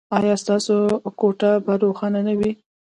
ایا ستاسو کوټه به روښانه نه وي؟